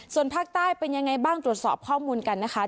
ส่วนภาคใต้เป็นยังไงบ้างตรวจสอบข้อมูลกันนะคะ